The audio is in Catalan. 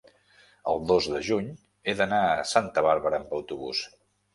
el dos de juny he d'anar a Santa Bàrbara amb autobús.